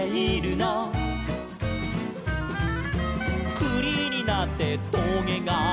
「くりになってとげが」